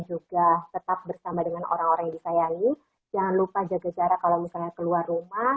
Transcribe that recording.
juga tetap bersama dengan orang orang yang disayangi jangan lupa jaga jarak kalau misalnya keluar rumah